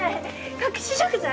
隠し食材？